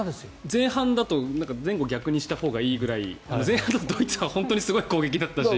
前半だと前後逆にしたほうがいいぐらい前半のドイツは本当にすごい攻撃だったし。